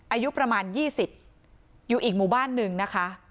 อายุประมาณ๒๐อยู่อีกหมู่บ้านหนึ่งนะคะ